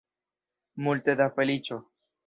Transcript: Multe da feliĉo.